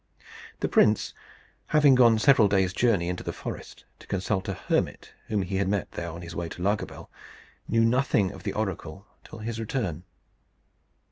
The prince, having gone several days' journey into the forest, to consult a hermit whom he had met there on his way to Lagobel, knew nothing of the oracle till his return.